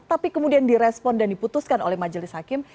tapi kemudian direspon dan diputuskan oleh majelis hakim